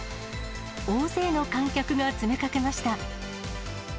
大勢の観客が詰めかけました。